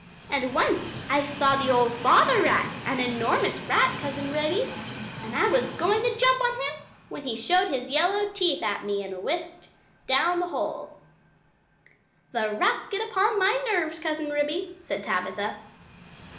And once I saw the old father rat an enormous old rat Cousin Ribby. I was just going to jump upon him, when he showed his yellow teeth at me and whisked down the hole. "The rats get upon my nerves, Cousin Ribby," said Tabitha.